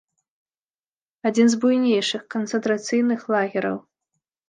Адзін з буйнейшых канцэнтрацыйных лагераў.